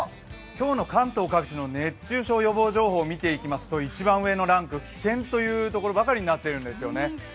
今日の関東各地の熱中症予防情報を見ていきますと一番上のランク「危険」というところばかりになっているんですよね。